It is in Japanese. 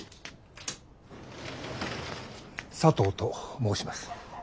佐藤と申します。